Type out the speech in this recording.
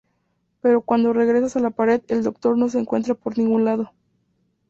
Pero cuando regresan a la pared, el Doctor no se encuentra por ningún lado.